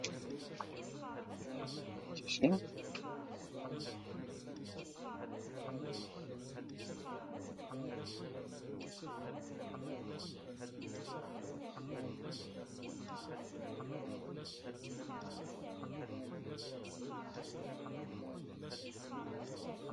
Wi ara am-yeḥkun a Ṭawes.